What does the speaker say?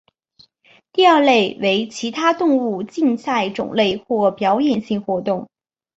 第二类为其他运动竞赛种类或表演性活动。